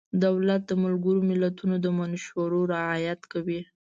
دولت د ملګرو ملتونو د منشورو رعایت کوي.